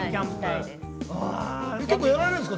結構やられるんですか？